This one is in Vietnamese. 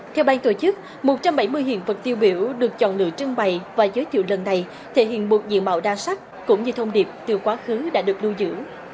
theo bang tổ chức một trăm bảy mươi hiện vật tiêu biểu được chọn lựa trưng bày và giới thiệu lần này thể hiện một diện mạo đa sắc cũng như thông điệp từ quá khứ đã được lưu giữ